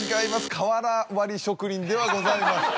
瓦割り職人ではございません。